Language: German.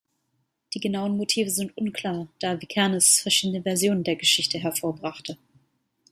Die genauen Motive sind unklar, da Vikernes verschiedene Versionen der Geschichte hervorbrachte.